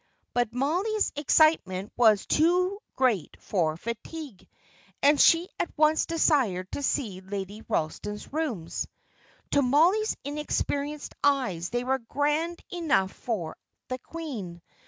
But Mollie's excitement was too great for fatigue, and she at once decided to see Lady Ralston's rooms. To Mollie's inexperienced eyes they were grand enough for the Queen.